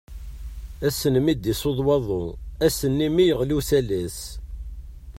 Asmi i d-yessuḍ waḍu, ass-nni mi yeɣli usalas.